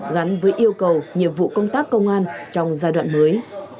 gắn với yêu cầu nhiệm vụ công tác công an trong giai đoạn mới